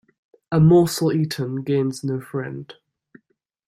A morsel eaten gains no friend.